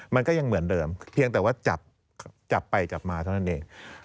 มันก็ยังเหมือนเดิมเพียงแต่ว่าจับไปจับมาเท่านั้นเอง